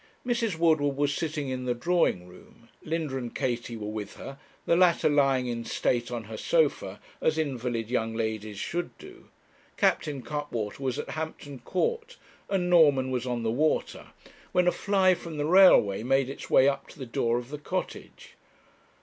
Mrs. Woodward was sitting in the drawing room; Linda and Katie were with her, the latter lying in state on her sofa as invalid young ladies should do; Captain Cuttwater was at Hampton Court, and Norman was on the water; when a fly from the railway made its way up to the door of the Cottage.